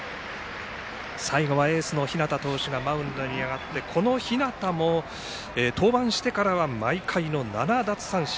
最後はエースの日當投手がマウンドに上がってこの日當も登板してからは毎回の７奪三振。